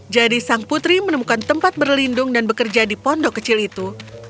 jadi sang putri menemukan tempat berlindung dan bekerja di pondok kecil itu